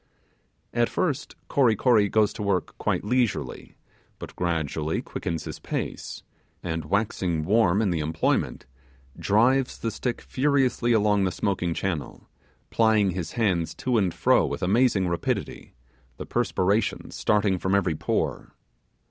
At first Kory Kory goes to work quite leisurely, but gradually quickens his pace, and waxing warm in the employment, drives the stick furiously along the smoking channel, plying his hands to and fro with amazing rapidity, the perspiration starting from every pore.